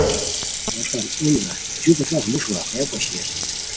اوا تان عمرا جو دفعہ ہموݰ واقعہ پوشی اسوم